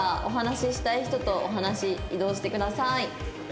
「お話ししたい人とお話し移動してください」